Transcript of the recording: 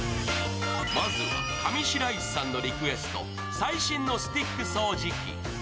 まずは上白石さんのリクエスト、最新のスティック掃除機。